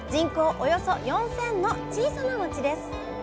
およそ４，０００の小さな町です